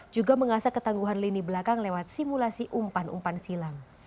juga mengasah ketangguhan lini belakang lewat simulasi umpan umpan silam